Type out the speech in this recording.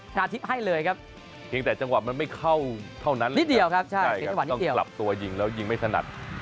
เพียงแต่จังหวะมันไม่เข้าเท่านั้นต้องกลับตัวยิงแล้วยิงไม่ถนัด